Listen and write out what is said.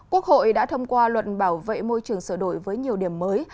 quốc hội đã thông qua luật bảo vệ môi trường sửa đổi với nhiều điểm mới